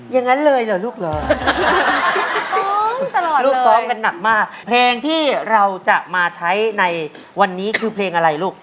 อย่างนั้นเลยเหรอลูกเหรอลูกซ้อมกันหนักมากเพลงที่เราจะมาใช้ในวันนี้คือเพลงอะไรลูก